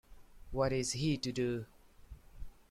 What is he to do?